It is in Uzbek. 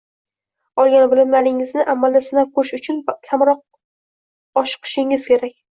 olgan bilimlaringizni amalda sinab ko’rish uchun kamroq oshiqishingiz kerak